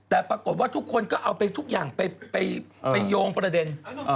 แต่ปรากฏว่าทุกคนก็เอาไปทุกอย่างไปโยงประเด็น